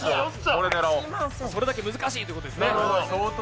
それだけ難しいということですね。